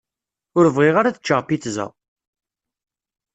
Ur bɣiɣ ara ad ččeɣ pizza.